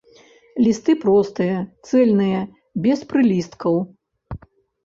Лісты простыя, цэльныя, без прылісткаў.